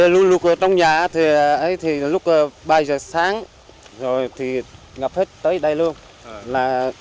lúc ba giờ sáng rồi thì ngập hết tới đây luôn